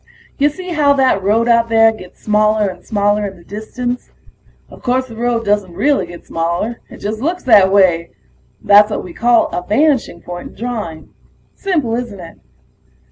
Ya see how that road out there gets smaller and smaller in the distance? Of course the road doesn't really get smaller it just looks that way. That's what we call a vanishing point in drawing. Simple, isn't it?